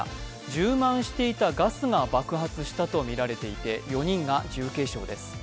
充満していたガスが爆発したとみられていて４人が重軽傷です。